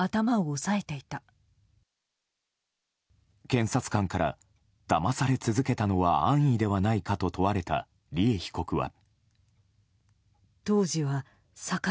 検察官からだまされ続けたのは安易ではないかと問われた利恵被告は。